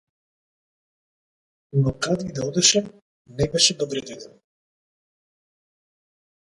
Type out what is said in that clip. Но каде и да одеше, не беше добредојден.